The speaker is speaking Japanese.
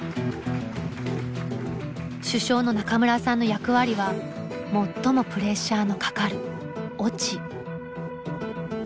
主将の中村さんの役割は最もプレッシャーのかかる「落」。